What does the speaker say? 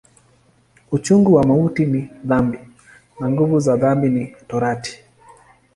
Uchungu wa mauti ni dhambi, na nguvu za dhambi ni Torati.